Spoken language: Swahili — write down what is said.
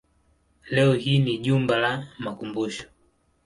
Leo hii ni jumba la makumbusho.